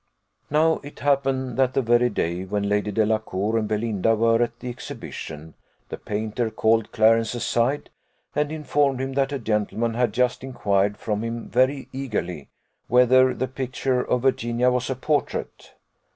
Now it happened that the very day when Lady Delacour and Belinda were at the exhibition, the painter called Clarence aside, and informed him that a gentleman had just inquired from him very eagerly, whether the picture of Virginia was a portrait.